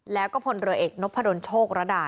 และก็พลเหลือเอกนพรณณโชคนรดา